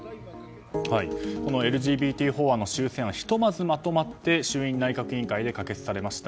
ＬＧＢＴ法案の修正案はひとまずまとまって衆院内閣委員会で可決されました。